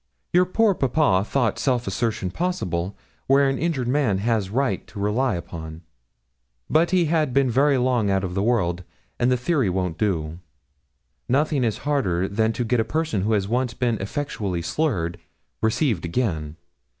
Your poor papa thought self assertion possible, where an injured man has right to rely upon, but he had been very long out of the world, and the theory won't do. Nothing is harder than to get a person who has once been effectually slurred, received again.